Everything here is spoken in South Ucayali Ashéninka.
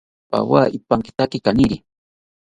Pawa ipankitaki kaniri